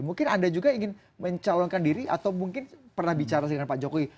mungkin anda juga ingin mencalonkan diri atau mungkin pernah bicara dengan pak jokowi